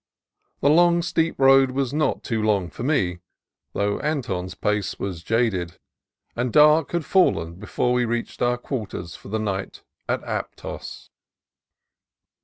The long, steep road was not too long for me, though THE CITY OF SANTA CRUZ 229 Anton's pace was jaded, and dark had fallen before we reached our quarters for the night at Aptos.